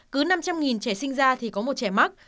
cứ năm trăm linh trẻ sinh ra thì có một trẻ mắc